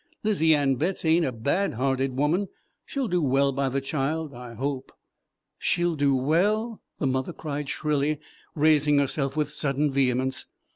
'Lizy Ann Betts ain't a bad hearted woman. She'll do well by the child, I hope." "She'll do well?" the mother cried shrilly, raising herself with sudden vehemence.